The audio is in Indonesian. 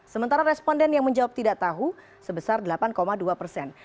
sementara responden yang menjawab tidak tahu sebesar delapan dua persen